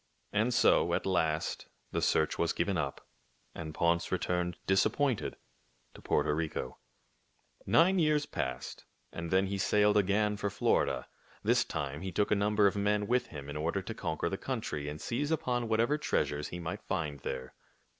And so, at last, the search was given up, and Ponce returned disappointed to Porto Rico. 28 THIRTY MORE FAMOUS STORIES Nine years passed, and then he sailed again for Florida. This time he took a number of men with him in order to conquer the country and seize upon whatever treasures he might find there.